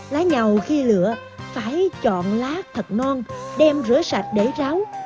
lá nhầu khi lửa phải chọn lá thật non đem rửa sạch để ráo